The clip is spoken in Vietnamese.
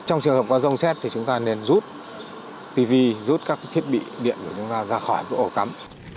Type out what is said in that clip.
trong trường hợp có rông xét thì chúng ta nên rút tv rút các thiết bị điện của chúng ta ra khỏi ổ cắm